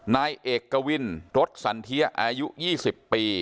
นายเอกวินรถสันเทียอายุ๒๐ปี